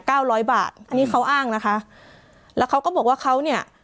ร้อยบาทอันนี้เขาอ้างนะคะแล้วเขาก็บอกว่าเขาเนี่ย